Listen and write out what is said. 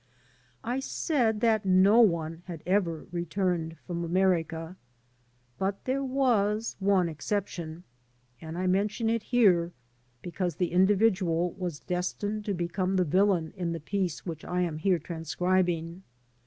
I said that no one had ever returned from America. But there was one exception; and I mention it here* because the individual was destined to become the viUain in the piece which I am here transcribing.